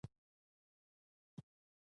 دوهم شپږ اساسي یا معتبر قوانین دي.